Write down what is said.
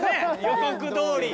予告どおり。